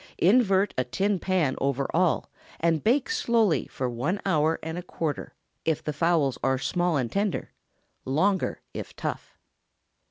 Invert a tin pan over all, and bake slowly for one hour and a quarter, if the fowls are small and tender—longer, if tough.